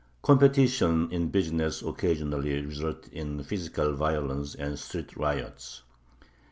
Competition in business occasionally resulted in physical violence and street riots.